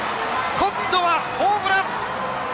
今度はホームラン！